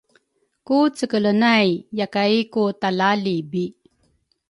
Ku cekele nay yakay ku talaalibi